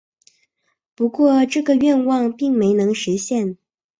不过这个愿望并没能实现。